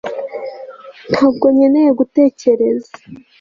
ntabwo nkeneye gutekereza